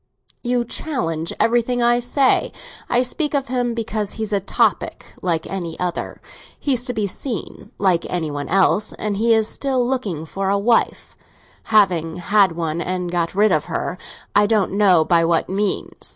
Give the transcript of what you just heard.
"You challenge everything I say. I speak of him because he's a topic, like any other. He's to be seen, like any one else, and he is still looking for a wife—having had one and got rid of her, I don't know by what means.